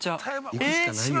◆行くしかないよ。